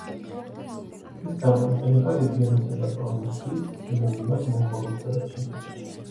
ის გამოიყენება რეგიონისა და პროვინციის სინონიმად მონღოლეთსა და ჩინეთში.